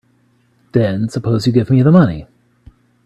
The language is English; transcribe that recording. Then suppose you give me the money.